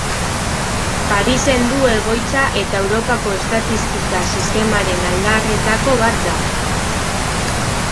Parisen du egoitza eta Europako Estatistika Sistemaren adarretako bat da.